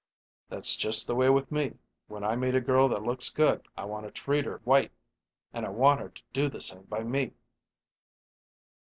"That's just the way with me when I meet a girl that looks good I want to treat her white, and I want her to do the same by me."